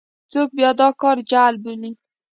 څوک بیا دا کار جعل بولي.